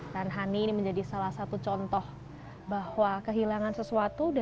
dan hani ini menjadi salah satu contoh bahwa kehilangan sesuatu